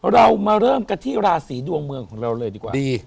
เรามาเริ่มกันที่ราศีดวงเมืองของเราเลยดีกว่าดี